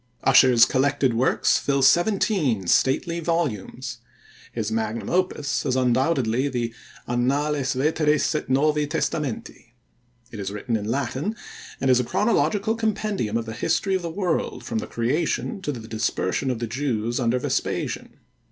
Ussher's collected works fill seventeen stately volumes. His magnum opus is undoubtedly the Annales Veteris et Novi Testamenti. It is written in Latin, and is a chronological compendium of the history of the world from the Creation to the dispersion of the Jews under Vespasian.